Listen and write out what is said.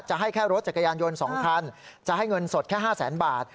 จะให้แค่รถจักรยานยนต์๒คันจะให้เงินสดแค่๕แสนบาท